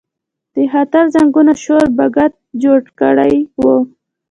د خطر زنګونو شور بګت جوړ کړی و.